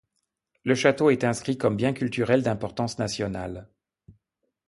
Le château est inscrit comme bien culturel d'importance nationale.